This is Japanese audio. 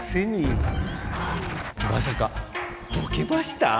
まさかボケました？